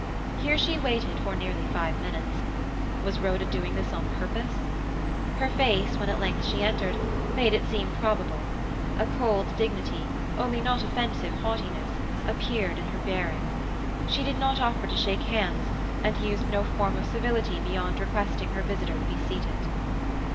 Here she waited for nearly five minutes. Was Rhoda doing this on purpose? Her face, when at length she entered, made it seem probable; a cold dignity, only not offensive haughtiness, appeared in her bearing. She did not offer to shake hands, and used no form of civility beyond requesting her visitor to be seated.